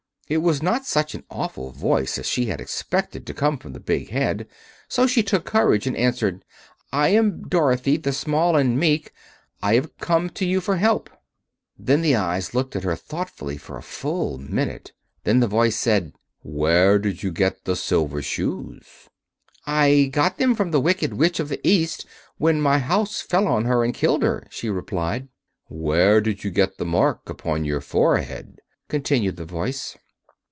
It was not such an awful voice as she had expected to come from the big Head; so she took courage and answered: "I am Dorothy, the Small and Meek. I have come to you for help." The eyes looked at her thoughtfully for a full minute. Then said the voice: "Where did you get the silver shoes?" "I got them from the Wicked Witch of the East, when my house fell on her and killed her," she replied. "Where did you get the mark upon your forehead?" continued the voice.